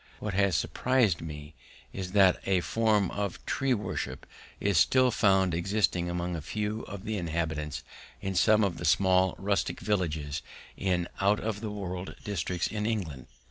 What has surprised me is that a form of tree worship is still found existing among a few of the inhabitants in some of the small rustic villages in out of the world districts in England.